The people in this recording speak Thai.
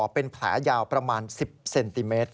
เป็นแผลยาวประมาณ๑๐เซนติเมตร